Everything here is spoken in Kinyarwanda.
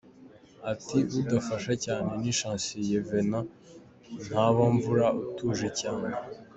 Ati: “Udufasha cyane ni Chancellier Venant Ntabomvura utuje cyane.